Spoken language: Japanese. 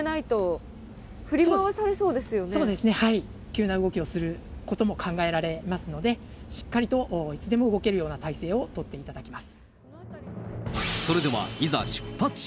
急な動きをすることも考えられますので、しっかりといつでも動けるような体勢を取っていただきます。